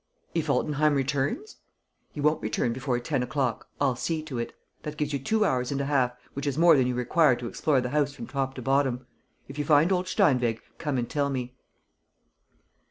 "If Altenheim returns?" "He won't return before ten o'clock. I'll see to it. That gives you two hours and a half, which is more than you require to explore the house from top to bottom. If you find old Steinweg, come and tell me."